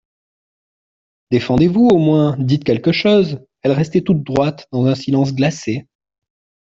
Défendez-vous, au moins !… Dites quelque chose ! Elle restait toute droite, dans un silence glacé.